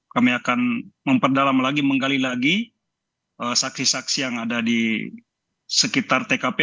kami akan memperdalam lagi menggali lagi saksi saksi yang ada di sekitar tkp